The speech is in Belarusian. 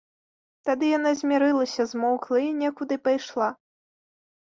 Тады яна змірылася, змоўкла і некуды пайшла.